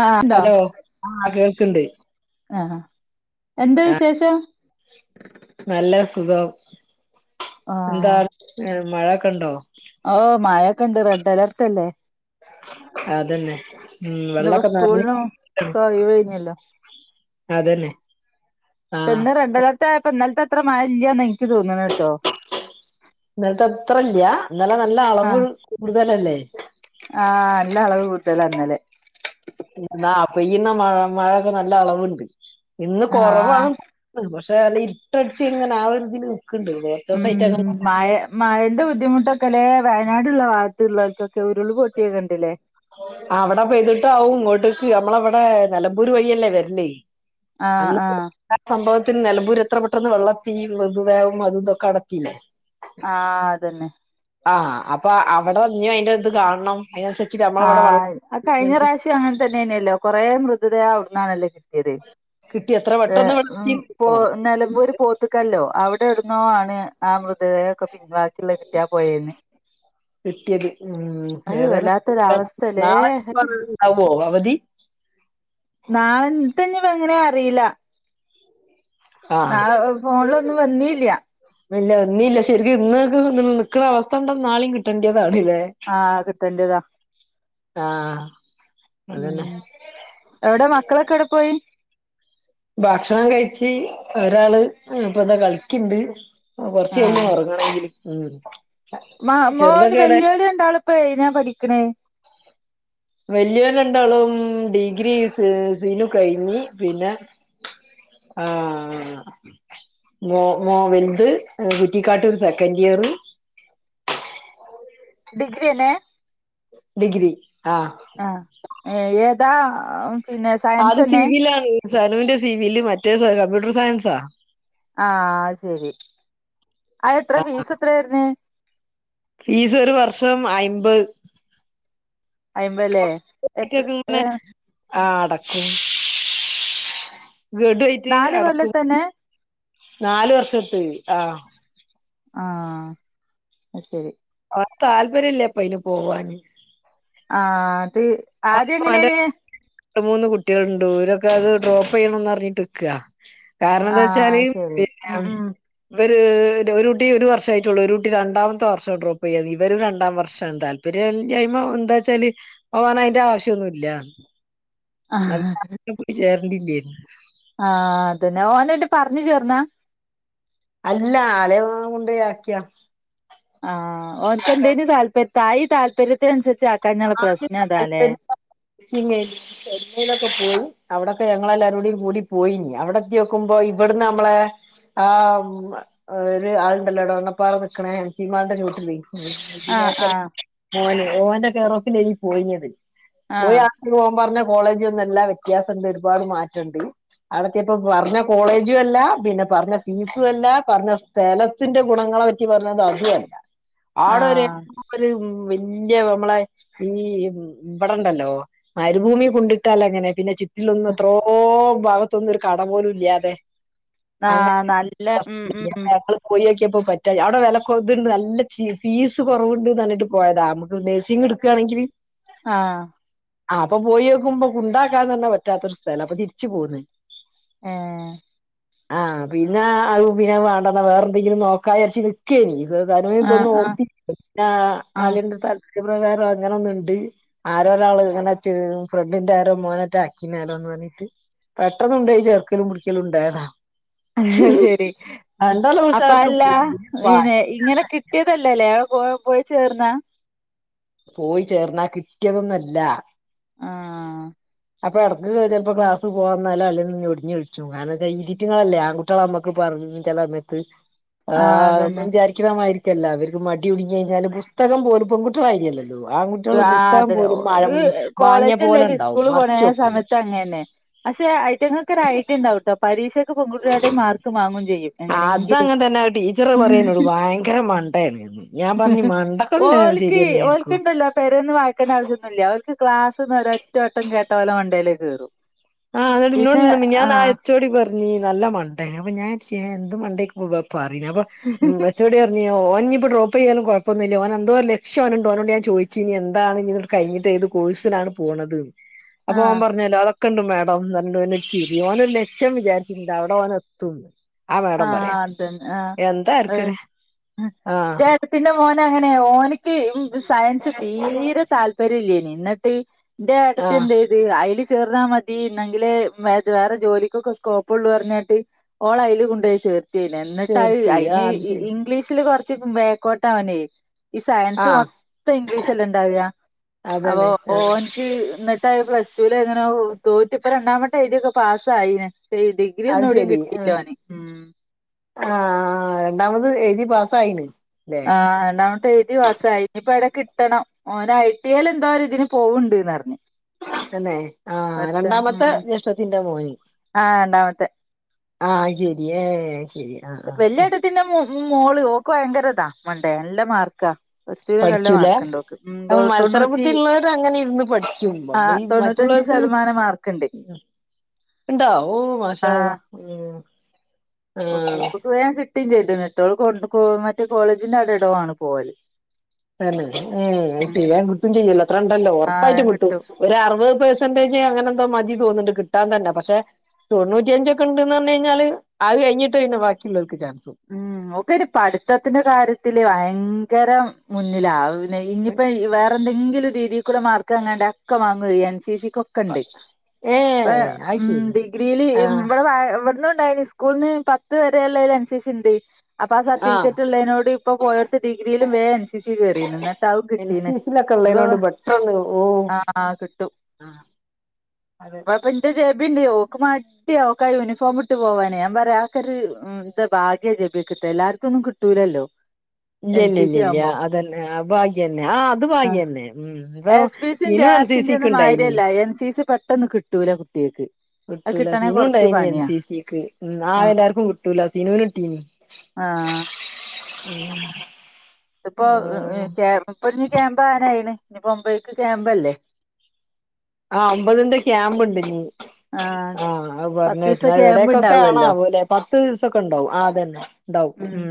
ആഹ്! ഉണ്ടോ? ആഹ്! ഹലോ ആഹ് കേൾക്ക്ണ്ട് ആഹ് എന്താ ആഹ് വിശേഷം? നല്ല സുഖം! ആഹ്! എന്താണ് മഴൊക്കെ ഉണ്ടോ ഓ മഴൊക്കെ ണ്ട് റെഡ് അലർട്ടല്ലേ! അതന്നെ ഉം ഇന്നിപ്പോ വെള്ളൊക്കെ നറഞ്ഞ് സ്കൂളിനും ഒക്കെ ഒഴിവ് കഴിഞ്ഞല്ലോ [inaudible] അതന്നെ ആഹ് പ്പിന്ന് റെഡ് അലേർട്ട് ആയപ്പം ഇന്നല്ത്തെ അത്ര മഴ ഇല്ല്യന്ന ഇനിക്ക് തോന്ന്ണേട്ടോ ഇന്നൽത്തെ അത്രല്ല്യ ഇന്നലെ നല്ല അളവ് ആഹ് കൂടുതലല്ലേ ആഹ് നല്ല അളവ് കൂട്ട്തലാ ഇന്നലെ ന്നാ പെയ്യുന്ന മഴ മഴൊക്കെ നല്ല അളവുണ്ട് ഇന്ന് ആഹ് കൊറവാണ് പക്ഷെ അല്ല ഇര്ട്ടട്ച്ച് ഇങ്ങനെ ആഹ് ഒരുതില് നിക്ക്ണ്ട് ല്ലേ ഉം മയ മഴന്റെ ബുദ്ധിമുട്ടൊക്കെ ല്ലെ വയനാടുള്ള ഭാഗത്തുള്ളോർക്കൊക്കെ ഉരുൾ പൊട്ടിയക്കണ്ടില്ലേ അവിടെ പെയ്തിട്ട് ആവും ഇങ്ങോട്ടേക്ക് നമ്മളെവ്ടെ നെലമ്പൂര് വഴിയല്ലേ വര്ല് ആഹ് അന്ന് ആഹ് സംഭവത്തിന് നിലബൂര് എത്ര പെട്ടെന്ന് വെള്ളെത്തി മൃതുദേഹും അതുതൊക്കെ ആടെത്തില്ലേ ആഹ് അതെന്നെ ആഹ് അപ്പൊ അവിടെ ഇഞ്ഞു അയിന്റെ ഇത് കാണണം അ ആഹ് കഴിഞ്ഞ പ്രാവശ്യം അങ്ങനെ തന്നെയന്നെയല്ലോ കൊറേ മൃതദേഹം അവിടുന്നാണല്ലോ കി ട്ടിയത് കിട്ടി എത്ര പെട്ടെന്ന് ഇവിടെ പോ എത്തിക്കണം നിലമ്പൂര് പോ ഒത്ത്ക്കല്ലോ അവിടെ ഇടുന്ന ആണ് ആ മൃതദേഹൊക്കെ പിൻവാക്കുള്ള കിട്ടിയാ പോയേന്ന് അത് വല്ലാത്ത നാളെപ്പൊ ഇണ്ടാവോ അവധി നാളത്തെ എനിപ്പൊ എങ്ങനെ അറീല്ല ആഹ് നാളെ ഫോണിലൊന്നും വന്നില്ല്യ ഇല്ല വന്നീല്ല ശരിക്കും ഇന്നക്കെ നിക്ക്ണ അവസ്ഥ കണ്ടാ നാളെയും കിട്ടേണ്ടതാണ്ല്ലേ ആഹ് കിട്ടണ്ട്യതാ ആഹ് ഉം അതന്നെ എവിടെ മക്കളൊക്കെ എവിടെ പോയി ഭക്ഷണം കഴിച്ച് ഒരാള് ഇപ്പൊതാ കളിക്കിണ്ട് ആ കൊറച്ചയിഞ്ഞ് ഉറങ്ങണെങ്കിൽ മാ മ്മോന് വെല്ല്യോല് രണ്ടാളും ഇപ്പൊ ഏതിനാ പഠിക്കണേ വല്യോല് രണ്ടാളും ഡിഗ്രി സ സീനു കഴിഞ്ഞി പിന്നെ ആഹ് മ മോ വെൽത്ത് കുറ്റിക്കാട്ടൂര് സെക്കൻഡിയറ് ഡിഗ്രി എന്നെ ഡിഗ്രി ആഹ് ആഹ് ഏതാ പിന്നെ ആ സയൻസ് അത് തന്നെ സിബിൽ ആണ് സനുന്റെ സിബിയില് മറ്റേ കമ്പ്യൂട്ടർ സയൻസാ ആഹ് ശെരി ആ എത്ര ഫീസ് എത്രാവെര്ന്ന് ഫീസ് ഒരു വർഷം അയ്മ്പത് അയിമ്പല്ലേ എത്ര [unintelligible] ഏഹ് ആ അടക്കും ഗഡുയായിട്ട് നാല് കൊല്ലം അടക്കും തന്നെ നാല് വർഷത്ത് ആഹ് ആഹ് അയ്ശെരി ഓൻ താല്പര്യം ഇല്ല അപ്പയിന് പോവാന് ആഹ് അത് ആദ്യം ഓൻപ്പൊ ഓൻ്റെ [unintelligible] എങ്ങനെന് രണ്ട് മൂന്ന് കുട്ടിയളുണ്ട് ഇരൊക്കെ അത് ഡ്രോപ്പ് ചെയ്യണംന്ന്റ്ഞ്ഞിട്ട് നിക്ക കാരണം എന്താച്ചാല് ആഹ് ശരി പിന്നെ ഉം ഉം ഇവര് ഒരു കുട്ടി ഒരു വർഷം ആയിട്ടുള്ളൂ ഒരു കുട്ടി രണ്ടാമത്തെ വർഷം ഡ്രോപ്പ് ചെയ്യാ ഇവരു രണ്ടാം വർഷം എന്ത ഇവര് എന്താച്ചാല് പോകൻ അതിന്റെ ആവശ്യൊന്നുല്ല പരഞ്ഞ് ആഹ് കുട്ടി ചേരണ്ടില്ലേനി ആഹ് അതന്നെ ഓനയിട്ട് പറഞ്ഞ് ചേർന്നാ അല്ല അളിയൻ കൊണ്ടെയാക്കിയ ആഹ് ഓൽക്കെന്തേനു താല്പര്യ തായി ഈ താല്പര്യത്തിനുസരിച്ച് ആ [unintelligible] ചെന്നൈയിലൊക്കെ പോയി അവിടൊക്കെ ഞങ്ങളെല്ലാരൂടി കൂടി പോയിന് അവിടെ എത്തിയോക്കുമ്പോ ഇവിടുന്ന് നമ്മളെ ആഹ് ഒരു ആളുണ്ടല്ലോ? ടോ എടവണ്ണപ്പാറ നിക്കണേ ചീമാൾന്റെ ചോട്ടില് ആഹ് ആഹ് ഓന് ഓന്റെ കേറോഫില പോയിഞ്ഞത് ആഹ് പോയാ ത് ഓൻ പോകൻ പറഞ്ഞ കോളേജൊന്നുല്ല വ്യത്യാസണ്ട് ഒരുപാട് മാറ്റംണ്ട് അവിടെത്തിയപ്പൊ പറഞ്ഞ കോളേജും അല്ല പിന്നെ പറഞ്ഞ ഫീസും അല്ല പറഞ്ഞ സ് തലത്തിന്റെ ഗുണങ്ങളെ പറ്റി പറഞ്ഞത് അതു അല്ല ആഹ് ആടൊരു വെല്ല്യാ ആമ്മളെ ഈ ഇവ്‌ ടെണ്ടല്ലോ മരുഭൂമി കൊണ്ടിട്ടാലെങ്ങനെ പിന്നെ ചുറ്റിലൊന്നും എത്രോ ഭാഗത്തൊന്നും ഒരു കട പോലും ഇല്ല്യാതെ ആഹ് നല്ല ഉം ഉം. പോയോക്യാപ്പം പറ്റായി അവ്ടെ വെലകൊത്ണ്ട് നല്ല ചീ ഫീസ് കൊറവ്ണ്ട് ന്നർഞ്ഞിട്ട് പോയതാ അമ്മക്ക് നെഴ്സിങ്‌ ക്കാണേങ്കില് ആഹ്. ആ അപ്പൊ പോയോകുംപ്പം കൊണ്ടാക്കാൻ തന്നെ പറ്റാത്തൊരു സ്ഥലം അപ്പൊ തിരിച്ചു പോന്ന്. ഏഹ്. ആ പിന്നെ അത് പിന്നെ വേണ്ടന്ന വേറെ ന്തെങ്കിലും നോക്കാചാരിച് കേനി ആഹ് അല്ലെതൊന്നും ആഹ് ഓർത്തി ന്നാ ആഹ് ആള്യെന്റെട്ത്താ താല്പര്യപകാരം അങ്ങനൊന്നുണ്ട് ആരോ ഒരാള് ങ്ങനെ ചേ ഫ്രണ്ടിന്റെ ആരോ മോനറ്റ അക്കീണലോന്നർഞ്ഞ്ട്ട് പെട്ടെന്നൊണ്ടോയി ചേർക്കലും പിടിക്യലുംണ്ടായതാ. അത് ശെരി ഉം അപ്പ ഉഷാറില് അതല്ല പോയി പിന്നെ ഇങ്ങനെ കി ട്യതല്ലല്ലേ ആ പോയ പോയി ചേർന്നാ? പോയി ചേർന്നാ കിട്ട്യാതൊന്നല്ല. ആഹ്. അപ്പൊ എടക്ക് ചെൽപ്പോ ക്ലാസ് പോവാന്നാലൊ അല്ലെ ഞ്ഞൊടിഞ്ഞൾച്ചും കാരണംച്ച ഇറ്റങ്ങളല്ലേ ആൺകു ട്ട്യേളമ്മക്ക് പർഞ് ചെലമെത്ത് ആ ആഹ് അതന്നെ അമ്മള് വിചാരിക്കി ണമായിരിക്കല്ല ഇവര്ക്ക് മടികുട് ങ്ങയ്ഞ്ഞാല് പുസ്തകം പോലും പെൺകുട്ട്യാളായ്രില്ലല്ലോ? ഉം ആൺ കുട്ട്യാള് ആ പുസ്തകം അതന്നെ പോലും മഴം ഓല് വാങ്യപോലെണ്ടാവും മർ സമയത്തങ്ങന്നെ പക്ഷെ അയ്റ്റങ്ങക്ക് ഒരായ്ട്ട്യാണ്ടാവുട്ടോ പരീക്ഷ പ്പം പെകുട്ട്യേളാട്ടിലും മാർക്ക് വാങ്ങും ചെയ്യും എങ്ങനെങ്കിലും അതങ്ങനെ തന്നെ ടീച്ചർ പറയാ എന്നോട് ഉം. ഭയങ്കര മണ്ടയാണ്ന്ന് ഞാൻ പറഞ്ഞു മണ്ടക്കന്നെ ഓൽക്കീ ശരിയന്നെയായിരിക്കും ഓൽക്ക്ണ്ടല്ലോ പെരേന്ന് വായിക്കണ്ട ആവിശ്യൊന്നുല്ല്യ ഓൽക്ക് ക്ലാസ്സ്ന്ന് ഒരറ്റ വട്ടം കേട്ട ഓലെ മണ്ടേല് കേറും. ആ ന്ന്ട്ട് പിന്നെ ഇന്നോട് ആ മിൻഞ്ഞാന്നാ ഏച്ചോഡി പർഞ്ഞ് ഏ നല്ല മണ്ടേ അപ്പൊ ഞാൻര്ച്ച് ഏ എന്ത് മണ്ടെക്കും ഇവൻ പറീണെ അപ്പൊ ഉം ച്ചർഞ്ഞോടഞ്ഞ് ഓൻഞ്ഞിപ്പ ഡ്രോപ്പയ്താലും കൊയപ്പോന്നില്ല്യ ഓനെന്തോ ഒര് ലക്ഷ്യ ഓന്ണ്ട്. ഓനോട്‌ ഞാൻ ചോയ്ചീനീ എന്താണ് ഇഞ്ഞ്എ കയ്ഞ്ഞ്ട്ട് ഏത് കോഴ്സിനാണ് പോണത് ആ അപ്പൊ ഓൻപർ ഞ്ഞാലോ അതൊക്കെ ക്കണ്ട് മേഡംന്നർഞ്ഞിട്ടൊനൊരു ചിരി ഓനൊരു ലക്ഷ്യം വിചാരിച്ചിണ്ട് അവടെ ഓനെത്തും. ആ മേഡം പറ്യാ എന്താ ആർക്കറ്യാ ആ. ഇപെന്റെ മോനങ്ങനെ ഓനിക്ക് ഉം സയൻസ് തീരെ താല്പര്യംല്ലേനി ന്ന്‌ട്ട് ന്റെ ആഹ് ഏട്ടത്തിണ്ട്. ത് അയില് ചേർന്നാ മതി ഇന്നെങ്കിലേ മേത് വേറെ ജോലിക്കൊക്കെ സ്കോപ്പൊള്ളൂർ ഞ്ഞാട്ട് ഓളയ്ല് കൊ ണ്ടോയിചേർത്തി അയ്നെ ന്ന്ട്ട് അത് ചേർത്ത് അയ്ന് ഇ ഇംഗ്ലീഷില് കൊർച്ച് ബേക്കോട്ട അവനെ ഈ ആ അത് ശരി സയൻസ് ആഹ് മൊത്തം ഇംഗ്ലീഷല്ലെ ണ്ടാവാ അപ്പൊ അതന്നെ ആഹ് ഓൻ ക്ക് എന്ന്ട്ടത് പ്ലസ് ടു ലങ്ങനെ ഔ തോറ്റ്പ്പ രണ്ടാവട്ടെയ്ത്യൊക്കെ പാസ്സായിന് സേ എയ്തി അത് ഇതിലൊന്നൂടിം കിട്ടല്ലോന്. ആ ആ രണ്ടാമത് എയ്തി പാസ്സായി ണ്. ആ ആ രണ്ടാമത്തെയ്തി തി പ്പാസായി ഇഞ്ഞിപ്പെടെ കിട്ടണം ഓന് ഐ ടി എല് ന്തോ ഒരിതിന് പോവ്ണ്ട്ന്നർഞ്ഞ്. അന്നെ ആ രണ്ടാമത്തെ ഉം ജ്യേഷ്ഠത്തിന്റെ മോന്. ആഹ് രണ്ടാമത്തെ ആഹ് അത് ശെരി ഏ ശെരി. വല്യഏട്ടത്തിന്റെ മൊ മോള് ഓക്ക് ഭയങ്കരതാ മണ്ടേ നല്ല മാർക്കാ. പ്ലസ് ടുവിലൊക്കെ നല്ല പഠിച്ചുല്ലേ മാർക്ക്ണ്ട് ഓക്ക് ഉം തൊ അത്പ്പൊ തൊണ്ണൂറ്റി മത്സരബുദ്ധി ഇള്ളോര് അങ്ങനെ ഇര്ന്ന് പഠിച്ചും ആഹ് [unintelligible] തൊണ്ണൂറ്റഞ്ച് മറ്റ്ള്ളോർക്ക് ശതമാനം മാർക്ക്ണ്ട് ഇണ്ടോ ഓ മാഷഅള്ള ആഹ് ഉം. ആഹ്. വേം കിട്ടിം ചെയ്ത്ണ്ണ്ട്ടോ ഓള് മറ്റേ കോളേജിന്റെ അടെടോന്നാണ് പോവൽ. തന്നെ ഹേ വേം കിട്ടും ചെയ്യല്ലോ അത്രണ്ടല്ലേ ആഹ് ഒർപ്പായിട്ടും വേം കിട്ടു. കിട്ടും ഒര് അറ് വെ പേസെന്റേജ് അങ്ങനെ എന്തോ മതി തോന്ന്ണ്ട് കിട്ടാൻ തന്നെ പക്ഷെ തൊണ്ണൂറ്റിയഞ്ചൊക്കെ ഇണ്ട്ന്ന് പറഞ് കഴിഞ്ഞാല് ആഹ് കഴിഞ്ഞിട്ടെന്നെ ബാക്കിയുള്ളോൽക്ക് ചാൻസും ഉം ഓക്ക്‌ അയിന് പഠിത്തത്തിന്റെ കാര്യത്തില് ഭയങ്കര മുന്ന്ലാ ഇനിയിപ്പോ വേറെ എന്തെങ്കിലും രീതിക്കൂടെ മാർക്ക് അങ്ങാണ്ട ഒക്കെ വാങ്ങുഹ് എൻ സി സിക്ക് കണ്ട് ഏ പ്പേ അത് മ് ശരി ഡിഗ്രില് ആഹ് [unintelligible] ണ്ടയ്നി സ്കൂൾന്ന് പത്ത് വരെയുള്ളേല് എൻ സി സി ഇണ്ട് അപ്പ ആഹ് സർട്ടിഫിക്കറ്റ് ഇളേനോട്‌ ഇപ്പൊ പോയോട്ത്ത് ഡിഗ്രിലും വേൻസ് സി സി കേറീണ് ഇന്നട്ട് ഔ എൻ കിട്ടീണ് സി സിയിലൊക്കെ ഇഞ് ഉള്ളതിനോണ്ട് പെട്ടെന്ന് ഓ ആഹ് കിട്ടും ആഹ് അതെ ഇന്റെ ജെബിണ്ട് ഓക്ക് മട്യാ ഓക്ക് ആഹ് യൂണിഫോം ഇട്ട് പോവാന് ഞാം പറയാ ആക്കോരു ന്റെ ഭാഗ്യ ജെപിക്ക്ട്ടല് എല്ലാർക്കൊന്നും കിട്ടൂലല്ലോ? ഇല്ല്യ എൻ ഇല്ല്യ സി ഇല്ല്യ സി ഇല്ല്യ ആവുമ്പോ അതന്നെ ആഹ് ഭാഗ്യന്നെ ആഹ് അത് ഭാഗ്യന്നെ ഉം ഇപ്പൊ ഇന് സിനു എൻ സി ജാർസിന്റെ സിക്ക് ഒന്നും ഉണ്ടായിനി മാര്യല്ല എൻ സി സി പെട്ടൊന്ന് കിട്ടൂല കുട്ട്യാക്ക് കിട്ടൂല സിനു ഇണ്ടായിനി എൻ സി സിക്ക് ആഹ് എല്ലാർക്കും കിട്ടൂലാ സിനുന് കിട്ടീനി ആഹ് ഉം ത് ഇപ്പൊ ഇപ്പൊ ഞ് ക്യാമ്പ് ആവാനായിണ് ഇനി പ്പോ ഇബൽക്ക് ക്യാമ്പല്ലേ ആഹ് ഒമ്പതിന്റെ ക്യാമ്പ് ഇണ്ട് ഇഞ് ആഹ് പറഞ് പത്തീസത്തെ കേട്ട്ണ് ക്യാമ്പ് എവിടേക്കൊക്കെ ഉണ്ടാവുമല്ലോ ഏണെവോലെ പത്ത് ദിവസൊക്കെ ഇണ്ടാവും ആഹ് അതന്നെ ഇണ്ടാവും ഉം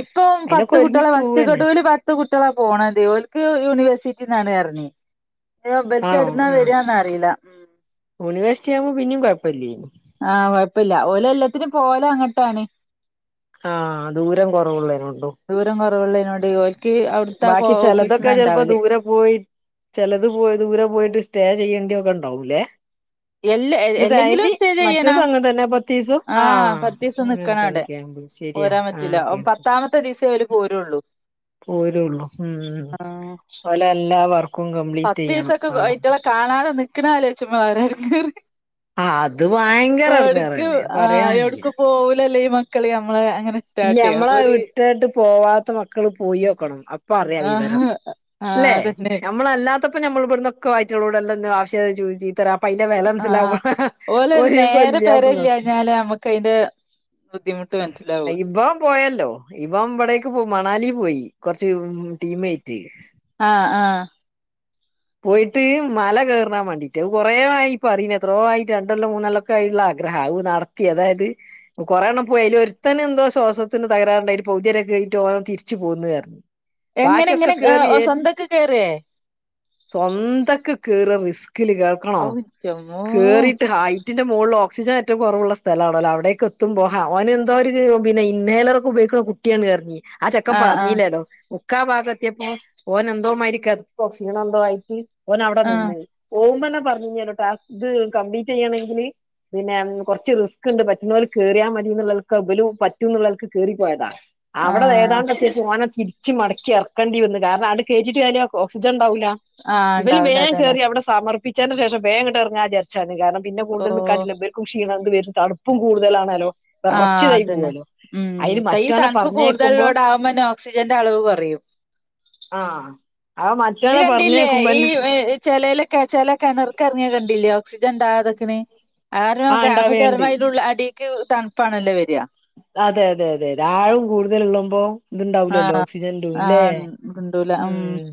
ഇപ്പൊ അയിനൊക്കെ പത്ത് ഒരുങ്ങി കുട്ട്യാളെ വസ്റ്റ് പോവന്നെ കെടുല് പ ത്ത് കുട്ട്യാളാ പോണത് ഓൽക്ക് യൂണിവേഴ്സിറ്റിന്നാണ് അർഞ് ഞ് ഇബൽക്ക് എവ്ട്ന്നാ വേരാന്ന അറീല യൂണിവേഴ്സ്റ്റി ആവുമ്പോ പിന്നിം കൊഴപ്പല്ലെനി ആഹ് കൊഴപ്പല്ല ഓല് എല്ലത്തിനും പോല് അങ്ങട്ടാണ് ആഹ് ദൂരം കൊറവ്ള്ളേനോണ്ടും ദൂരം കൊറവ്ള്ളയ്നോട് ഓൽക്ക്‌ അവ്ട് ബാക്കി ചെലദോക്കെ ചെൽപ്പം ദൂരം പോയി ചെലത് പോയി ദൂരെ പോയിട്ട് സ്റ്റേ ചെയ്യേണ്ടി ഒക്കെ ഇണ്ടാവൂല്ലേ എല്ല ഇത് എല്ലെങ്കിലും ഡെയ്ലി സ്റ്റേ മറ്റൊതു ചെയ്യണം അങ്ങനെ തന്നെ പത്തീസം ആഹ് പത്തീസം അങ്ങൻ നിക്കണം തന്നെ അവിടെ ക്യാമ്പ് ശരിയാ പോരാൻ ആ പറ്റുല ഓക്കെ പത്താമത്തെ ദിസെ ഓല് പോരോള്ളൂ പോരോള്ളൂ ഉം ഓലെ എല്ലാവർക്കും കംപ്ലീറ്റെയ്യണം പത്തീസൊക്കെ ഔടെ അയ്റ്റളെ കാണാതെ നിക്ണാതാലോ ചിക്കുമ്പളാ ഒര് എടങ്ങേറ് ആഹ് അത് ഭയങ്കര യോട്ക്ക് എടങ്ങേറന്നെ ആഹ് പറയാനില്ല. യോട്ക്ക് പോവുലല്ലെ ഈ മ ക്കളി നമ്മള് അങ്ങനെ ഇല്ല ഇട്ടാട്ടെ ഞമ്മളെ അപ്പൊ ഒരു വിട്ടാട്ട് പോവാത്ത മക്കള് പോയോക്കണം പ്പറിയാ വിവരം ആഹ് ആഹ് ല്ലേ അതന്നെ നമ്മളല്ലാത്തപ്പോ നമ്മള് ഇവിട്ന്നൊക്കെ ആയിറ്റങ്ങളോട് [unintelligible] ആഹ് ഓല് ഒര് ഒരീസം നേരം പേരി ഇല്ലാന്ന് നോക്കും. ഇല്ലാഞാല് നമ്മക്ക് അയ്ന്റെ ബുദ്ധിമുട്ട് മൻസ്സിലാവും ഇബം പോയല്ലോ ഇവം ഇവിടേക്ക് പോയി മണാലി പോയി കൊർച്ച് ടീമേറ്റ് ആഹ് ആഹ് പോയിട്ട് മല കേറാൻ വാണ്ടീട്ട് അത് കൊറെ ആയി പറിണ് എത്രോ ആയി രണ്ടെല്ലം മൂന്നെല്ലം കായ്ള്ളെ ആഗ്രഹാ അത് നടത്തി അതായത് കൊറെ എണ്ണം പോയ് അയ്ല് ഒരുത്തന് എന്തോ ശ്വാസത്തിന് തകരാറ് ഇണ്ടായ്ട്ട് പൗതി വരൊക്കെ ആയിട്ട് ഓൻ തിരിച്ച് പോന്ന് അർഞ് എങ്ങനെ എങ്ങനെ സ്വന്തക്ക് കേറെ സ്വന്തക്ക് കേറ റിസ്കില് കേൾക്കണോ ഔ ന്റമ്മോ കേറിട്ട് ഹായ് കുറ്റിന്റെ മോളില് ഓക്സിജന് ഏറ്റം കൊറവ്ള്ളെ സ്ഥലാണൊലോ അവിടേക്ക് എത്തുമ്പോ ഓന് എന്തോ ഒര് പിന്നെ ഇൻഹേലറൊക്കെ ഉപയോഗിക്കുന്ന കുട്ട ട്ട്യാണ് അർഞ് ആഹ് ചെക്കൻ പർഞ്ഞിലെല്ലോ മുക്കാ ഭാഗം എത്തിയപ്പോ ഓന് എന്തോ മാതിരി കെതപ്പോ, ക്ഷീണൊ എന്തോ ആയി ഓന് ഔടെ ആഹ് നിന്ന് പോവുമ്പോ തന്നെ പർഞ്ഞിനോലെ ടാസ്ക് കംപ്ലീറ്റ് ചെയ്യണെങ്കില് പിന്നെ കൊറച്ച് റിസ്ക്ണ്ട് പറ്റ്ണോല് കേറിയാമതി എന്ന്ള്ളൽക്കെഇബല് പറ്റുന്നുള്ളൾക്ക് കേറിപ്പോയതാ. അവ്ടെ ആഹ് ഏതാണ്ടെത്തിയപ്പം ഓനെ തിരിച്ച് മടക്കി എറക്കണ്ടിന്ന് കാരണം അങ്ങട്ട് കേറ്റിട്ട് കാര്യല്ല ഓക്സിജൻണ്ടാവൂല. ആഹ് ഇവല് ഉണ്ടാവൂല വേം അതന്നെ കെറി അവ്ടെ സമർപ്പിച്ചയ്ന്റെ ശേഷം വേം ഇങ്ങട്ട് എറങ്ങാംന്ന് വിചാരിച്ചാണ്. കാരണം പിന്നെ ഓ കൂടുതൽനിക്കാ പറ്റുല്ല ഇബൽ ക്കും ക്ഷീണം ത് വരും. തണുപ്പും കൂട്‌തലണല്ലോ? ആ അതന്നെ. ഉം ഈ മറ്റോനെ തണ്പ്പ് പറഞ്ഞേക്കുമ്പോ കൂടുതലൊള്ളെടാകുമ്പോന്നെ ഓക്സിജന്റെ അളവ് കൊറയും. ആഹ് അത് ഇത് മറ്റൊനാ പറഞ്ഞേ? കണ്ടില്ലേ ഈ ചെലലൊക്കെ ചെല കെണർക്ക് എറങ്ങിയ കണ്ടില്ലേ ഓക്സിജൻ ണ്ടാവാതൊക്ക്ണ്. ആ [unintelligible] ചെലപ്പ ഇണ്ടാവേണ്ട് അയ്ന്റെഉള്ള് അടിക്ക് തണുപ്പാണല്ലേ വര്യ. അതെ അതെ അതെഅതെ ആഴം കൂടുതല്ള്ളമ്പോ ത്ണ്ടാവൂലല്ലോ ആഹ് ഓക്സിജൻ ടുംലേ ആഹ് കിണ്ടൂല ഉം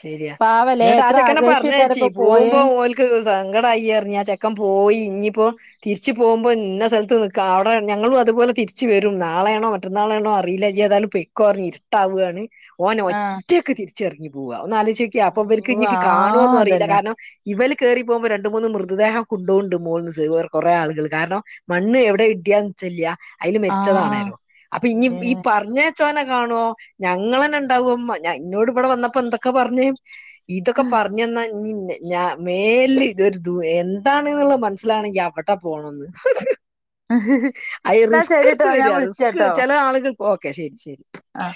ശെരിയാ. പാവല്ലേ എന്ന്ട്ടാ എത്ര ചെക്കനെ പറഞ്ഞയ് ആഗ്രഹിച്ചേക്കാരം ച്ചി ഇപ്പൊ പോയേ പോക്മ്പോ ഓലക്ക് സങ്കടായിന്ന റഞ് ആ ചെക്കൻ പോയി ഞ്ഞിപ്പോ തിരിച്ച് പോക്മ്പോ ന്ന സ്ഥലത്ത് നിക്ക അവ്ടെ ഞങ്ങളും അതുപോലെ തിരിച്ച് വരും നാളാണോ മറ്റന്നാളാണോ അറില്ല യ്യ് ഏതാലും പെയ്ക്കോ റഞ് ഇര്ട്ടാവ് ആണ്. ഓൻ ആഹ് ഒറ്റക്ക് തിരിച്ചെറങ്ങി പോവാ. ഒന്നാലോയ്ച്ച് നോക്കിയാ പ്പം ഇവര്ക്ക് ഓ ഞ്ഞി ആഹ് കാണ്വോന്നും അറിയില്ല അതന്നെ കാരണം ഇവല് കെറി പോമ്പോ രണ്ട് മൂന്ന് മൃതദേഹം കൊണ്ടോവ്ണ്ട് മോളിന്ന് [unintelligible] കൊറെ ആളുകൾ കാരണം. മണ്ണ് എവ്ടെ ഇഡിയാന്ന് നിച്ചയംല്ല അതില് ആഹ് മരിച്ചതാണെലോ അപ്പൊ ഇനി ഈ ഏഹ് പറഞ്ഞെ ച്ചോനെ കാണ്വോ ഞങ്ങന്നെ ഉണ്ടാവോ ഇന്നോട് ഇവ്ടെ വന്നപ്പോ എന്തൊക്കെ പറഞ്. ഇതൊക്കെ പറഞ്ന്നാ ഞ്ഞിന്നെ ഞാൻ മെലില് ഇത് ഒരു ദു എന്താണെന്ന്ള്ള മനസ്സിലാണെങ്കി അവ്ടെ പോണന്ന്. അയ് എന്നാ റിസ്ക് ശരിട്ടോ എടുത്ത് ഞാൻ വര്യാ റിസ്ക് വിളിച്ചട്ടോ ചെല ആളുകൾ ഓക്കെ ശെരി ശെരി. ആഹ്